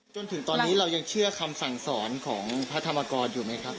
จนถึงตอนนี้เรายังเชื่อคำสั่งสอนของพระธรรมกรอยู่ไหมครับ